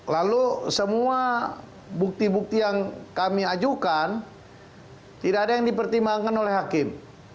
lalu semua bukti bukti yang kami ajukan tidak ada yang dipertimbangkan oleh hakim